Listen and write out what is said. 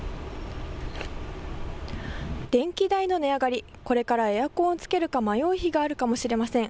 電気代の値上がり、これからエアコンをつけるか迷う日があるかもしれません。